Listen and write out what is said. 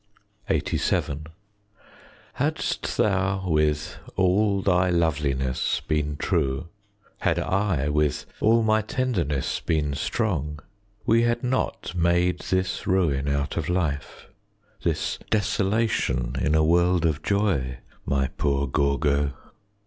LXXXVII Hadst thou, with all thy loveliness, been true, Had I, with all my tenderness, been strong, We had not made this ruin out of life, This desolation in a world of joy, My poor Gorgo.